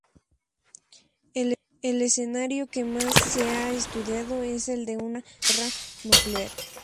El escenario que más se ha estudiado es el de una guerra nuclear.